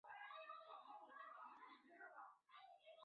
玛瑙山之战爆发于崇祯十二年玛瑙山。